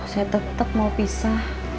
saya tetep mau pisah